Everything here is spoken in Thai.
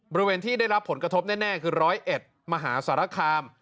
บริเวณที่ได้รับผลกระทบแน่คือ๑๐๑มหาสารคาม